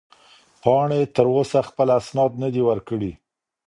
پاڼې تر اوسه خپل اسناد نه دي ورکړي.